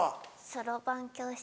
そろばん教室。